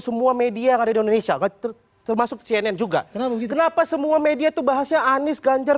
semua media yang ada di indonesia termasuk cnn juga kenapa semua media tuh bahasnya anies ganjar